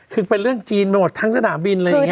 คือเป็นเรื่องจีนไปหมดทั้งสนามบินอะไรอย่างนี้